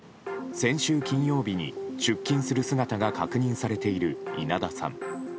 先週金曜日に出勤する姿が確認されている稲田さん。